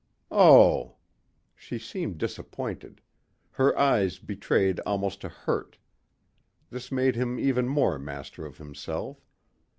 "Oh." She seemed disappointed. Her eyes betrayed almost a hurt. This made him even more master of himself.